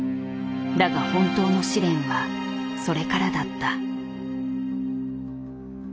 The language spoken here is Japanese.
だが本当の試練はそれからだった。